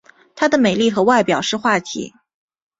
她的美丽和外表是话题。